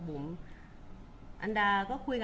คุณผู้ถามเป็นความขอบคุณค่ะ